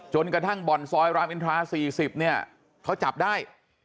กระทั่งบ่อนซอยรามอินทรา๔๐เนี่ยเขาจับได้